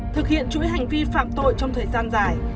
thực hiện chuỗi hành vi phạm tội trong thời gian dài